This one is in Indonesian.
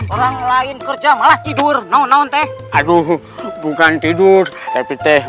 orang lain kerja malah tidur non teh aduh bukan tidur tapi teh